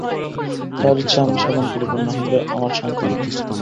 তাহার ইচ্ছা আমি সাধন করিব, নহিলে আমার শান্তি নাই।